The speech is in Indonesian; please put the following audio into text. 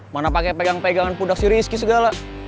mana pake pegang pegangan pundak si rizky segala